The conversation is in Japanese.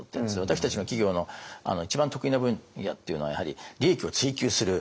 私たちの企業の一番得意な分野っていうのはやはり利益を追求する